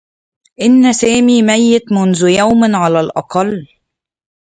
إنّ سامي ميّت منذ يوم على الأقل.